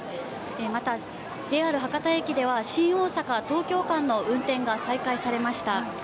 また、ＪＲ博多駅では、新大阪・東京間の運転が再開されました。